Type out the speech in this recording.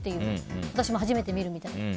私も初めて見るみたいな。